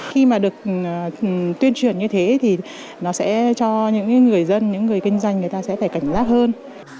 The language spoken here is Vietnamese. khi mà được tuyên truyền như thế thì nó sẽ cho những người dân những người kinh doanh người ta sẽ phải cảnh giác hơn